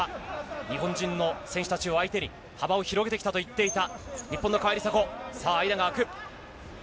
日本人の選手たちを相手に幅を広げてきたと言っていた日本の川井梨紗子。